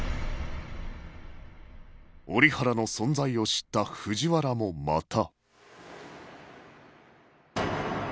折原の存在を知った藤原もまた